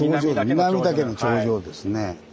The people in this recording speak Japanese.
南岳の頂上ですね。